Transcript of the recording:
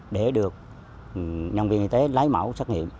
để được nhân viên y tế lấy mẫu xét nghiệm